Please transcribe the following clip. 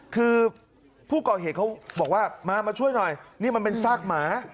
คือผู้ก่อเหตุเขาบอกว่ามามาช่วยหน่อยนี่มันเป็นซากหมา